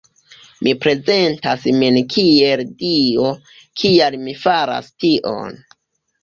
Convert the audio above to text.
Mi prezentas min kiel Dio, kial mi faras tion?